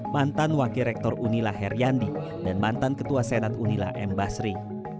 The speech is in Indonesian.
mantan wakil rektor unila heriandi dan mantan ketua senat unila m basri